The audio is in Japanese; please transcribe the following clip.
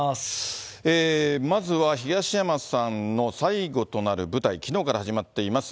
まずは、東山さんの最後となる舞台、きのうから始まっています。